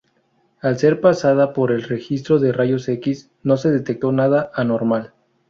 Al ser pasada por el registro de rayos X no se detectó nada anormal.